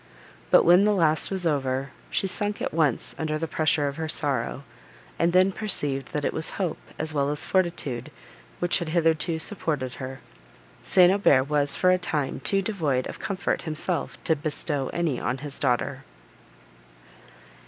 But when the last was over, she sunk at once under the pressure of her sorrow, and then perceived that it was hope, as well as fortitude, which had hitherto supported her. St. Aubert was for a time too devoid of comfort himself to bestow any on his daughter.